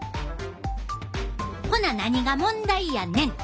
ほな何が問題やねん！